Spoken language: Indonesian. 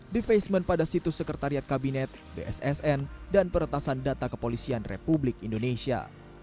defacement pada situs sekretariat kabinet bssn dan peretasan data kepolisian republik indonesia